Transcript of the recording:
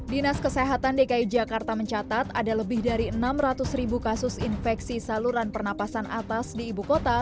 dinas kesehatan dki jakarta mencatat ada lebih dari enam ratus ribu kasus infeksi saluran pernapasan atas di ibu kota